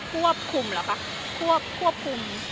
ควบคุมเหรอคะ